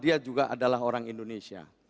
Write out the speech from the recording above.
dia juga adalah orang indonesia